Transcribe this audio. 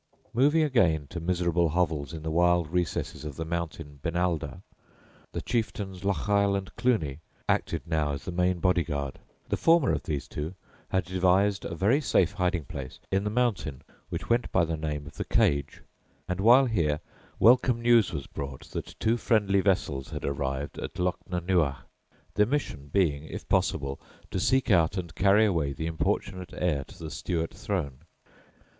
Moving again to miserable hovels in the wild recesses of the mountain Benalder, the chieftains Lochiel and Cluny acted now as the main bodyguard. The former of these two had devised a very safe hiding place in the mountain which went by the name of "the Cage," and while here welcome news was brought that two friendly vessels had arrived at Lochnanuagh, their mission being, if possible, to seek out and carry away the importunate heir to the Stuart throne.